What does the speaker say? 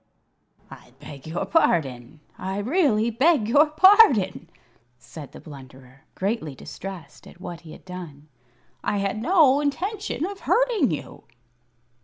"I beg your pardon! I really beg your pardon!" said the Blunderer, greatly distressed at what he had done. "I had no intention of hurting you."